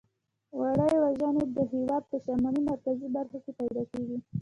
وړۍ وژغنې د هېواد په شمالي مرکزي برخو کې پیداکیږي.